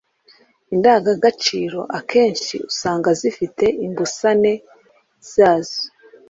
Indangagaciro akenshi usanga zifite imbusane zazo.